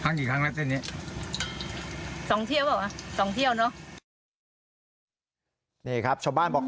นี่ครับชาวบ้านบอก